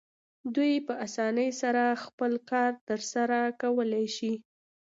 دوی په اسانۍ سره خپل کار ترسره کولی شو.